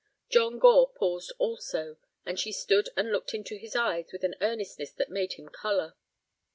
John Gore paused also, and she stood and looked into his eyes with an earnestness that made him color.